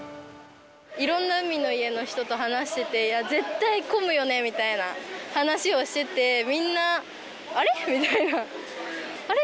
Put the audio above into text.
いろんな海の家の人と話してて、絶対混むよねみたいな話をしてて、みんなあれ？みたいな、あれ？